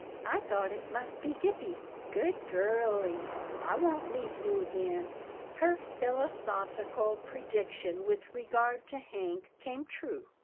I thought it must be Gippie. Good girlie, I won't leave you again." Her philosophical prediction with regard to Hank came true.